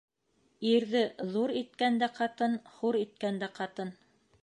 Ирҙе ҙур иткән дә ҡатын, хур иткән дә ҡатын.